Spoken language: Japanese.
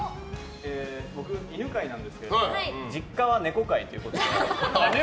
僕、犬飼なんですけども実家は猫飼という。